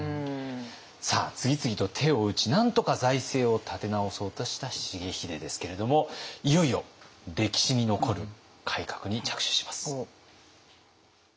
さあ次々と手を打ちなんとか財政を立て直そうとした重秀ですけれどもいよいよ歴史に残る改革に着手します。